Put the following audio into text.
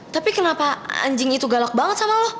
tapi kenapa anjing itu galak banget sama lo